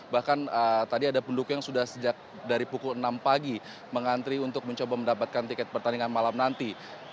bahkan tadi ada pendukung yang sudah sejak dari pukul enam pagi mengantri untuk mencoba mendapatkan tiket pertandingan malam nanti